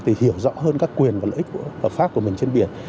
thì hiểu rõ hơn các quyền và lợi ích của pháp của mình trên biển